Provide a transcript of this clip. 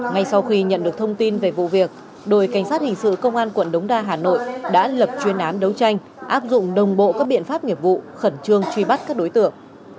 ngay sau khi nhận được thông tin về vụ việc đội cảnh sát hình sự công an quận đống đa hà nội đã lập chuyên án đấu tranh áp dụng đồng bộ các biện pháp nghiệp vụ khẩn trương truy bắt các đối tượng